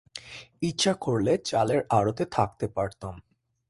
ইচ্ছা করলে চালের আড়তে থাকতে পারতাম।